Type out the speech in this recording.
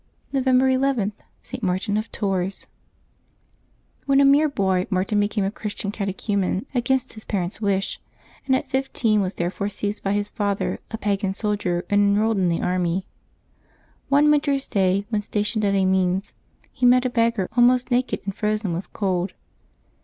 November ii.— ST. MARTIN OF TOURS. ^l^HEN a mere boy, Martin became a Christian catechu vl/ men against his parents' wish; and at fifteen was therefore seized by his father, a pagan soldier, and enrolled in the army. One winter's day, when stationed at Amiens, he met a beggar almost naked and frozen with cold.